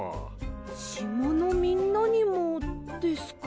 しまのみんなにもですか？